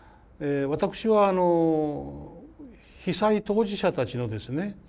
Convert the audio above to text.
私は被災当事者たちのですね